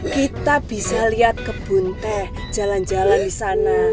kita bisa lihat kebun teh jalan jalan di sana